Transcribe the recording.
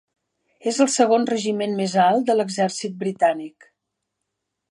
És el segon regiment més alt de l'exèrcit britànic.